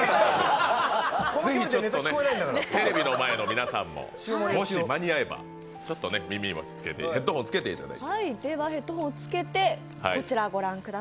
ぜひテレビの前の皆さんももし間に合えばヘッドホンを着けてお聴きください。